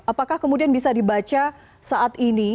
apakah kemudian bisa dibaca saat ini